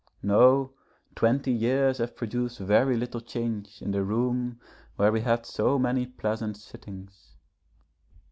No! twenty years have produced very little change in the room where we had so many pleasant sittings.